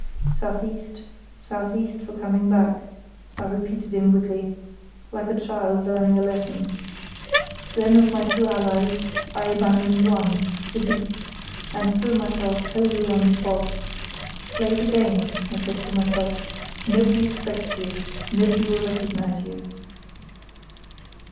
("South east—south east for coming back," I repeated inwardly, like a child learning a lesson.) Then of my two allies I abandoned one, the beach, and threw myself wholly on the fog. "Play the game," I said to myself. "Nobody expects you; nobody will recognise you."